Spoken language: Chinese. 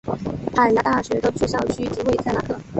海牙大学的主校区即位在拉克。